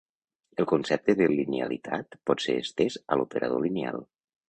El concepte de linealitat pot ser estès a l'operador lineal.